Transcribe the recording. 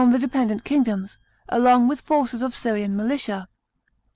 369 the dependent kingdoms, along with forces of Syrian militia.